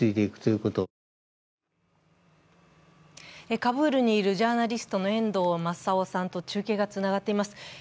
カブールにいるジャーナリストの遠藤正雄さんと中継がつながっています。